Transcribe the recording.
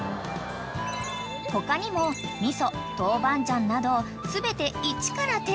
［他にも味噌豆板醤など全て一から手作り］